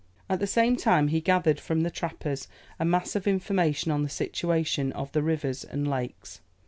At the same time he gathered from the trappers a mass of information on the situation of the rivers and lakes.